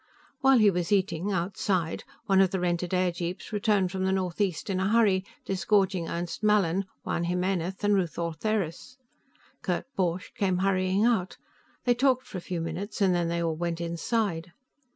While he was eating, outside, one of the rented airjeeps returned from the northeast in a hurry, disgorging Ernst Mallin, Juan Jimenez and Ruth Ortheris. Kurt Borch came hurrying out; they talked for a few minutes, and then they all went inside.